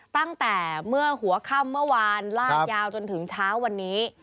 ตั้งแต่เมื่อหัวค่ำเมื่อวานลากยาวจนถึงเช้าวันนี้